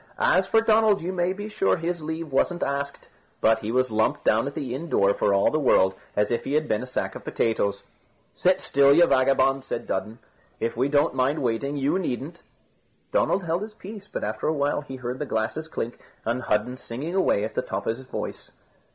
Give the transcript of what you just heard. As for Donald, you may be sure his leave wasn't asked, but he was lumped down at the inn door for all the world as if he had been a sack of potatoes. "Sit still, you vagabond," said Dudden; "if we don't mind waiting, you needn't." Donald held his peace, but after a while he heard the glasses clink, and Hudden singing away at the top of his voice.